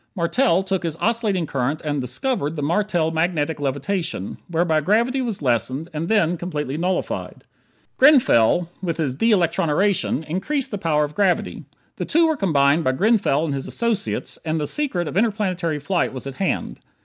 Martell took his oscillating current and "discovered" the Martel Magnetic Levitation, whereby gravity was lessened, and then completely nullified. Grenfell, with his de electroniration, increased the power of gravity. The two were combined by Grenfell and his associates and the secret of interplanetary flight was at hand.